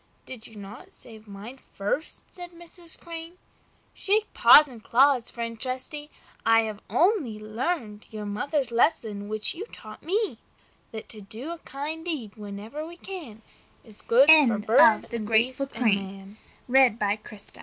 "Did you not save mine first?" said Mrs. Crane. "Shake paws and claws, friend Trusty! I have only learned your mother's lesson, which you taught me, that "To do a kind deed wherever we can, Is good for bird and beast and m